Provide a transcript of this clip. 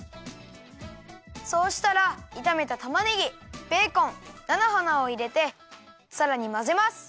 そうしたらいためたたまねぎベーコンなのはなをいれてさらにまぜます。